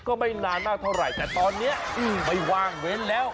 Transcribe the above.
ก็ไม่นานมากเท่าไหร่แต่ตอนนี้ไม่ว่างเว้นแล้ว